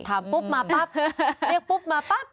ปุ๊บมาปั๊บเรียกปุ๊บมาปั๊บ